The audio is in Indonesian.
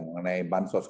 mengenai bantuan sosial